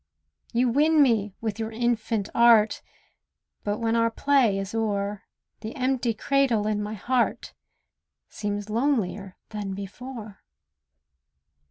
You win me with your infant art; But when our play is o'er, The empty cradle in my heart Seems lonelier than before.